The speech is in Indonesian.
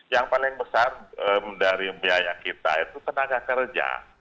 yang paling besar dari biaya kita itu tenaga kerja